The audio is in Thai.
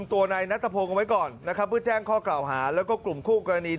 ตัวเน็ตแขกครับเขามันลุมผมก่อน